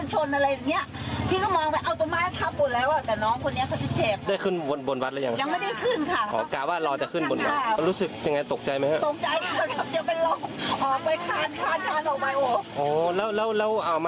จากด่อนเมืองค่ะ